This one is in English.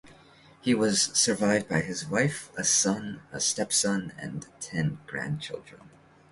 He was survived by his wife, a son, a stepson, and ten grandchildren.